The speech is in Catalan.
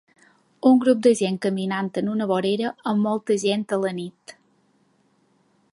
Un grup de gent caminant en una vorera amb molta gent a la nit.